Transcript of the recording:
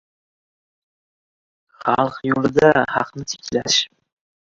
— Xalq yo‘lida haqni tiklash